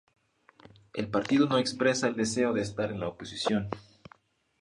El partido no expresa el deseo de estar en la oposición.